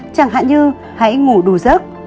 chẳng hạn như hãy ngủ đủ giấc